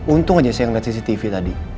untung aja saya ngeliat cctv tadi